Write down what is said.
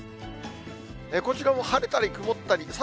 こちらも晴れたり曇ったり。